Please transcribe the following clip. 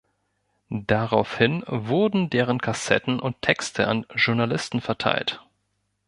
Daraufhin wurden deren Kassetten und Texte an Journalisten verteilt.